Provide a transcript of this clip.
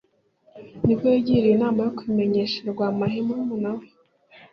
ni bwo yigiriye inama yo kubimenyesha rwamahe murumuna we.